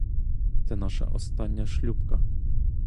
Це наша остання шлюпка.